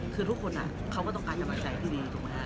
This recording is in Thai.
คือทุกคนเขาก็ต้องการกำลังใจที่ดีถูกไหมฮะ